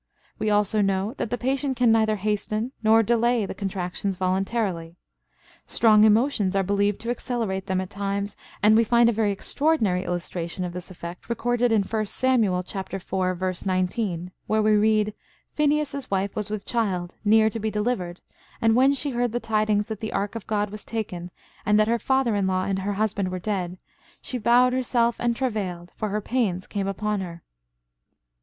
We also know that the patient can neither hasten nor delay the contractions voluntarily. Strong emotions are believed to accelerate them at times, and we find a very extraordinary illustration of this effect recorded in I Samuel, IV, 19, where we read: "Phineas' wife was with child, near to be delivered; and when she heard the tidings that the ark of God was taken, and that her father in law and her husband were dead, she bowed herself and travailed; for her pains came upon her."